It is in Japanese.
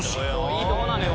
いいとこなのよ